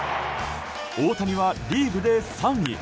大谷はリーグで３位。